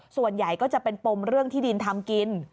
ส่วนใหญ่ก็จะเป็นปมเรื่องที่ดินทำกิน